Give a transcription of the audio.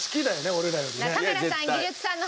俺らよりね。